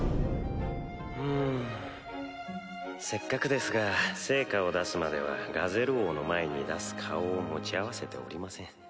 んせっかくですが成果を出すまではガゼル王の前に出す顔を持ち合わせておりません